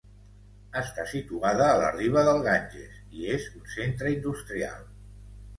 Està situada a la riba del Ganges, i és un centre industrial.